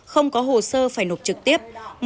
không có hồ sơ phải nộp trực tiếp